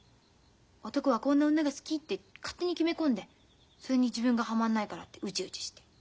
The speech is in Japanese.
男はこんな女が好きって勝手に決め込んでそれに自分がはまんないからってうじうじして。